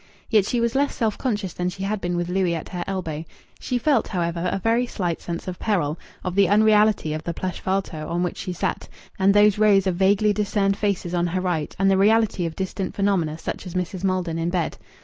Yet she was less self conscious than she had been with Louis at her elbow. She felt, however, a very slight sense of peril of the unreality of the plush fauteuil on which she sat, and those rows of vaguely discerned faces on her right; and the reality of distant phenomena such as Mrs. Maldon in bed.